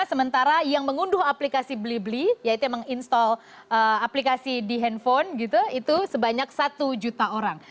sementara yang mengunduh aplikasi beli beli yaitu yang menginstall aplikasi di handphone gitu itu sebanyak satu juta orang